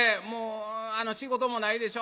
仕事もないでしょ？